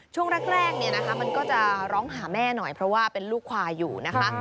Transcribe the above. ช่วงแรกเนี่ยนะคะมันก็จะร้องหาแม่หน่อยเพราะว่าเป็นลูกควายอยู่นะคะ